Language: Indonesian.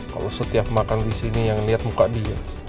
kalau setiap makan disini yang liat muka dia